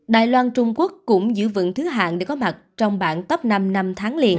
đài loan trung quốc cũng giữ vững thứ hạng để có mặt trong bảng top năm năm tháng liền